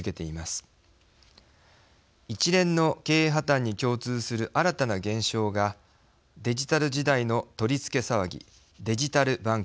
一連の経営破綻に共通する新たな現象がデジタル時代の取り付け騒ぎデジタル・バンク・ランです。